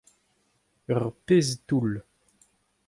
Ur pezh toull.